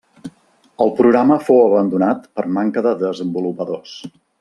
El programa fou abandonat per manca de desenvolupadors.